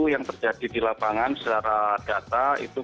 yang terjadi di lapangan secara data